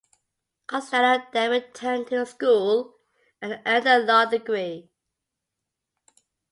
Costello then returned to school and earned a law degree.